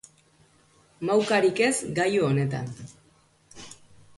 Maukarik ez gailu honetan.